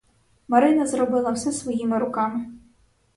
Марина зробила все своїми руками.